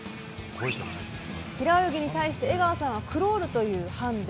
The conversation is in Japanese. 平泳ぎに対して江川さんはクロールというハンデ。